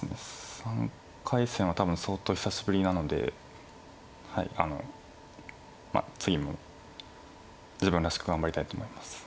３回戦は多分相当久しぶりなのでまあ次も自分らしく頑張りたいと思います。